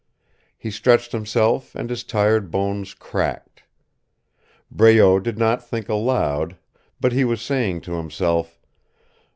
He stretched himself and his tired bones cracked. Breault did not think aloud. But he was saying to himself.